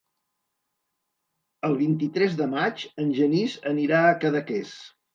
El vint-i-tres de maig en Genís anirà a Cadaqués.